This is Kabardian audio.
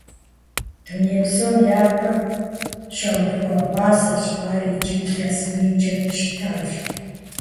Дуней псом япэу щаухуа гъуазэщ ар икӀи илъэс минкӀэ щытащ.